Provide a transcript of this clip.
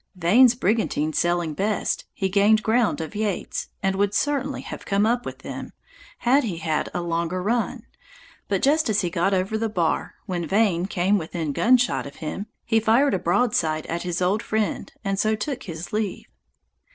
Vane's brigantine sailing best, he gained ground of Yeates, and would certainly have come up with them, had he had a little longer run; but just as he got over the bar, when Vane came within gun shot of him, he fired a broadside at his old friend, and so took his leave.